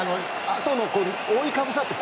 あとの覆いかぶさって。